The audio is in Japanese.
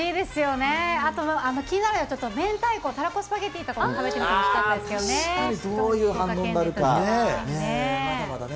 あと、気になるのは、明太子、たらこスパゲティとかも食べてみてほしかったですけどね、福岡県まだまだね。